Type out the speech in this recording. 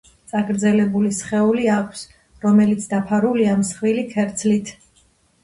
წაგრძელებული სხეული აქვს, რომელიც დაფარულია მსხვილი ქერცლით.